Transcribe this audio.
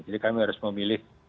jadi kami harus memilih